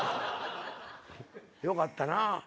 よかったな。